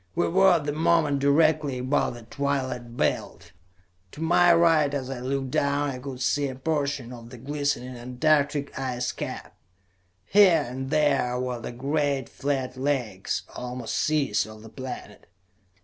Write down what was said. We were, at the moment, directly above the twilight belt. To my right, as I looked down, I could see a portion of the glistening antarctic ice cap. Here and there were the great flat lakes, almost seas, of the planet.